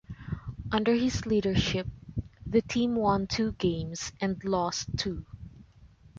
Under his leadership, the team won two games and lost two.